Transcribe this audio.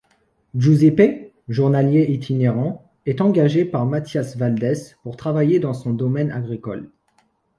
Giuseppe, journalier itinérant, est engagé par Mathias Valdès pour travailler dans son domaine agricole.